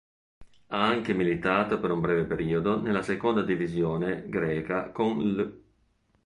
Ha anche militato per un breve periodo nella seconda divisione greca con l'.